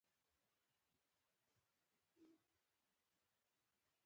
څو تنو کلیوالو بور ټوپکونه درلودل.